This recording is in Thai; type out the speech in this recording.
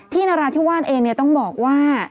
นราธิวาสเองต้องบอกว่า